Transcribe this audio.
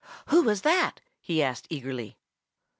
"Who was that?" he asked eagerly.